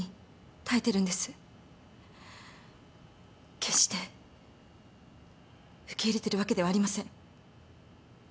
決して受け入れてるわけではありません。